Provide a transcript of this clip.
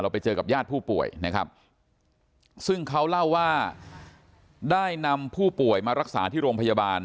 ไปเจอกับญาติผู้ป่วยนะครับซึ่งเขาเล่าว่าได้นำผู้ป่วยมารักษาที่โรงพยาบาล